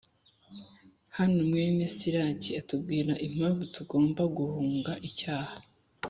Hano, Mwene Siraki atubwira impamvu tugomba guhunga icyaha